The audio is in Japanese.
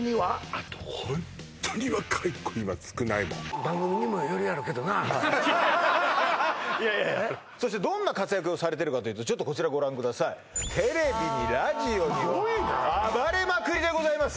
あとホントに若い子には少ないもんいやいやいやそしてどんな活躍をされてるかというとちょっとこちらご覧くださいテレビにラジオにもうすごいね暴れまくりでございます